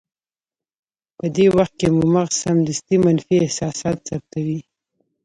په دې وخت کې مو مغز سمدستي منفي احساسات ثبتوي.